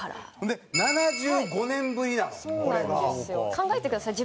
考えてください。